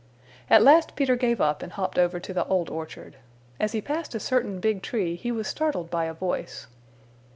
At last Peter gave up and hopped over to the Old Orchard. As he passed a certain big tree he was startled by a voice.